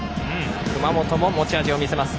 熊本も持ち味を見せます。